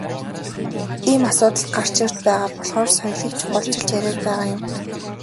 Ийм асуудал гарч ирж байгаа болохоор соёлыг чухалчилж яриад байгаа юм.